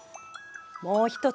もう一つ